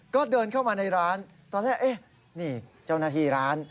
ก็เดินเข้ามาในร้านตอนแรกเอ๊ะนี่เจ้าหน้าที่ร้าน